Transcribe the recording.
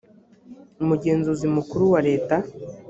umugenzuzi mukuru wa leta